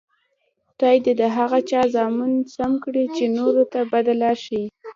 خدای دې د هغه چا زامن سم کړي، چې نورو ته بده لار ښیي.